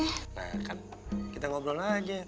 nah kan kita ngobrol aja